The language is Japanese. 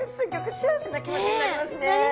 幸せな気持ちになりますね。